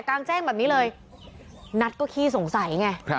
กลางแจ้งแบบนี้เลยนัทก็ขี้สงสัยไง